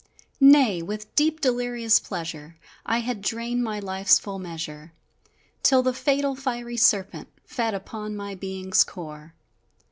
Nay, with deep, delirious pleasure, I had drained my life's full measure, Till the fatal, fiery serpent, Fed upon my being's core!